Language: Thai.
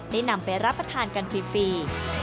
นำไปรับประทานกันฟรี